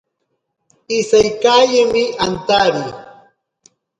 Iseikaeyeni antari.